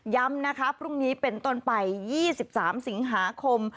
ย้ำนะคะพรุ่งนี้เป็นต้นไป๒๓สิงหาคม